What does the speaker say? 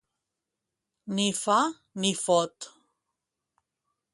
Ni fa ni fot.